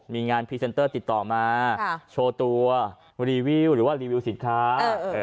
มีงานติดต่อมาค่ะโชว์ตัวหรือว่ารีวิวสินค้าเออเออ